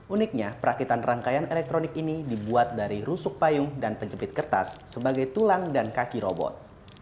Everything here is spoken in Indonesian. uniknya perakitan rangkaian elektronik ini dibuat dari rusuk payung dan penjepit kertas sebagai tulang dan kaki robot